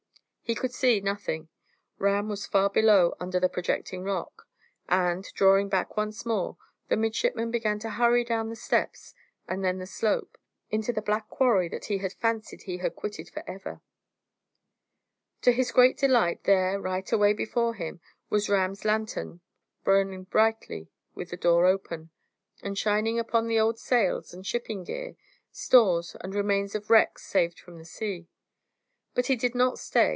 He could see nothing; Ram was far below under the projecting rock; and, drawing back once more, the midshipman began to hurry down the steps and then the slope, into the black quarry that he had fancied he had quitted for ever. To his great delight, there, right away before him, was Ram's lanthorn, burning brightly with the door open, and shining upon the old sails and shipping gear, stores, and remains of wrecks saved from the sea. But he did not stay.